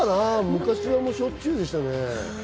昔はしょっちゅうでしたね。